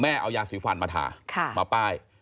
เอายาสีฟันมาทามาป้าย